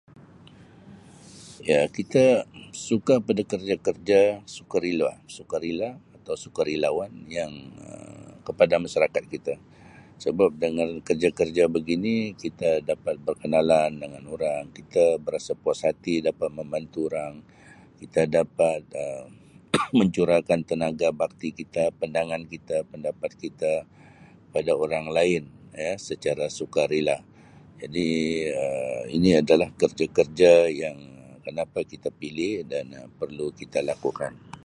Ya kita suka pada kerja-kerja sukarela, sukarela atau sukarelawan yang Um kepada masyarakat kita sebab dengan kerja-kerja begini kita dapat berkenalan dengan orang kita berasa puas hati dapat membantu orang kita dapat Um mencurahkan tenaga bakti kita, pandangan kita, pendapat kita pada orang lain ya secara sukarela jadi Um ini adalah kerja-kerja yang Um kenapa kita pilih dan Um perlu kita lakukan.